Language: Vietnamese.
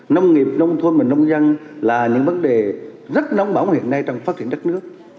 nông nghiệp nông thôn và nông dân là những vấn đề rất nóng bóng hiện nay trong phát triển đất nước